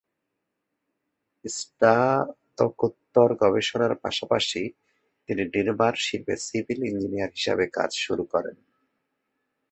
স্নাতকোত্তর গবেষণার পাশাপাশি, তিনি নির্মাণ শিল্পে সিভিল ইঞ্জিনিয়ার হিসাবে কাজ শুরু করেন।